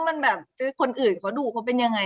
มันแบบคนอื่นเขาดูเขาเป็นยังไง